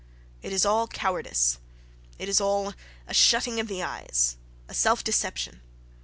It is all coward ice; it is all a shutting of the eyes, a self deception.